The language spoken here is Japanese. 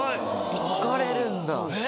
分かれるんだ。